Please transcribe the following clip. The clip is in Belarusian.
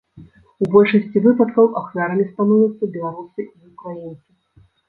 У большасці выпадкаў ахвярамі становяцца беларусы і ўкраінцы.